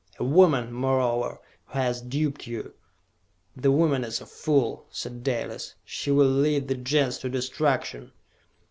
A woman, moreover, who has duped you?" "The woman is a fool!" said Dalis. "She will lead the Gens to destruction!"